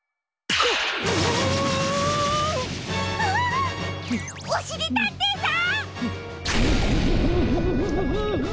おおおしりたんていさん！